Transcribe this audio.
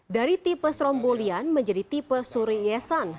dari tipe strombolian menjadi tipe suriyesan